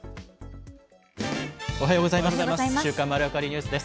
おはようございます。